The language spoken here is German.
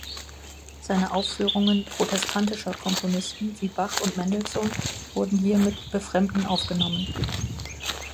Seine Aufführungen "protestantischer" Komponisten wie Bach und Mendelssohn wurden hier mit Befremden aufgenommen.